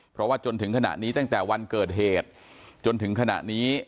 เพราะว่าจนถึงขณะนี้ตั้งแต่วันเกิดเหตุจนถึงขณะนี้